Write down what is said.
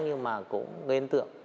nhưng mà cũng gây ấn tượng